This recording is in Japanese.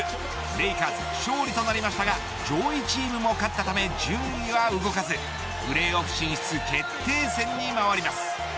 レイカーズ勝利となりましたが上位チームも勝ったため順位は動かずプレーオフ進出決定戦に回ります。